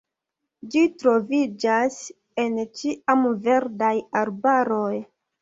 Ĝi troviĝas en ĉiamverdaj arbaroj.